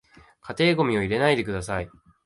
家庭ゴミを入れないでください